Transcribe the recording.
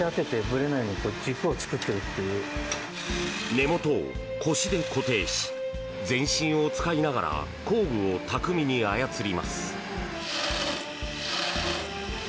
根元を腰で固定し全身を使いながら工具を巧みに操ります！